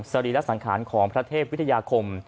รีระสังขารของพระเทพวิทยาคม